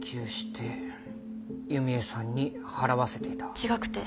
違くて。